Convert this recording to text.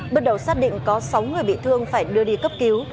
bước đầu xác định có sáu người bị thương phải đưa đi cấp cứu